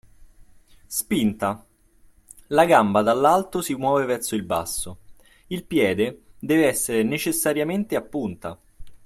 Spinta: La gamba dall’alto si muove verso il basso. Il piede deve essere necessariamente a punta.